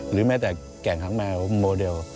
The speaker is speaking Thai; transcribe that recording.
แม้แต่แก่งหางแมวโมเดล